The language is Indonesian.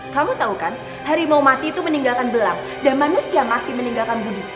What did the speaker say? kamu tahu kan hari mau mati itu meninggalkan belang dan manusia mati meninggalkan budi